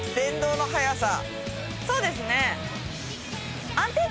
そうですね。